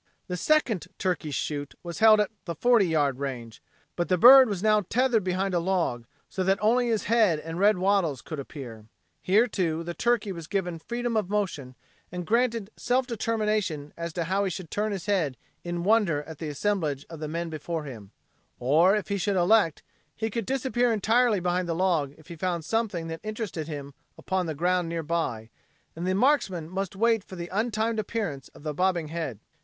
The second turkey shoot was held at the forty yard range. But the bird was now tethered behind a log, so that only his head and red wattles could appear. Here, too, the turkey was given freedom of motion and granted self determination as to how he should turn his head in wonder at the assemblage of men before him; or, if he should elect, he could disappear entirely behind the log if he found something that interested him upon the ground nearby, and the marksman must wait for the untimed appearance of the bobbing head.